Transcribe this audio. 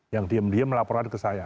yang diem diem melaporkan ke saya